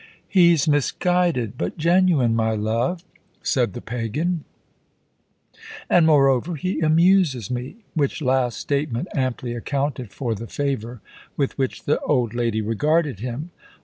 "He's misguided, but genuine, my love," said the pagan, "and moreover, he amuses me!" which last statement amply accounted for the favour with which the old lady regarded him.